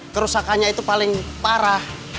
kerusakannya itu paling parah